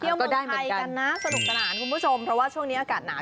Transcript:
เมืองไทยกันนะสนุกสนานคุณผู้ชมเพราะว่าช่วงนี้อากาศหนาว